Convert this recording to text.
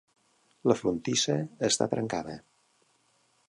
La frontissa està trencada.